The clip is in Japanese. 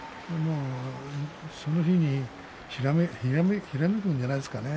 その日にひらめくんじゃないですかね